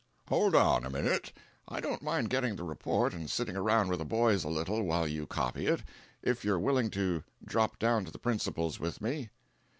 "Hold on a minute. I don't mind getting the report and sitting around with the boys a little, while you copy it, if you're willing to drop down to the principal's with me."